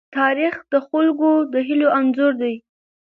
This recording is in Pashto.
تاریخ د خلکو د هيلو انځور دی.